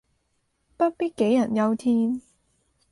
不必杞人憂天